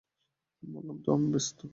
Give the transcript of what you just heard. বললাম তো আমি ব্যস্ত।